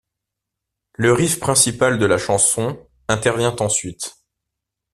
Le riff principal de la chanson intervient ensuite.